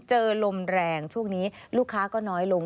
ลมแรงช่วงนี้ลูกค้าก็น้อยลง